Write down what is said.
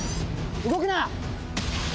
動くな！